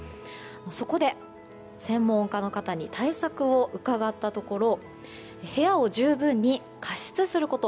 そこで専門家の方に対策を伺ったところ部屋を十分に加湿すること。